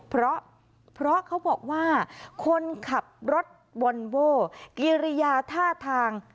เพราะเขาบอกว่าคนขับรถวอนโว้กิริยาท่าทาง